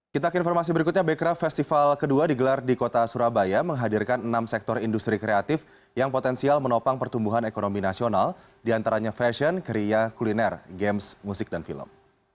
kita ke informasi berikutnya bekraf festival kedua digelar di kota surabaya menghadirkan enam sektor industri kreatif yang potensial menopang pertumbuhan ekonomi nasional diantaranya fashion kriya kuliner games musik dan film